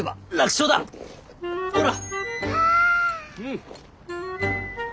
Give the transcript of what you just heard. ほら！